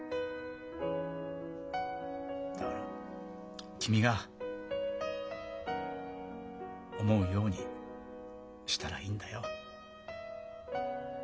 だから君が思うようにしたらいいんだよ。